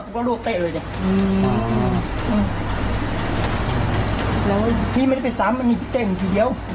ปากกับภูมิปากกับภูมิ